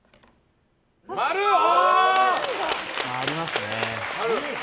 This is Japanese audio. ありますね。